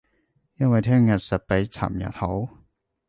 因為聼日實比尋日好